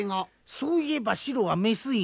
そういえばシロは雌犬。